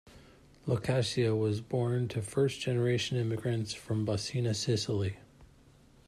Locascio was born to first generation immigrants from Baucina, Sicily.